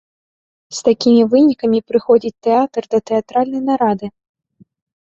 З такімі вынікамі прыходзіць тэатр да тэатральнай нарады.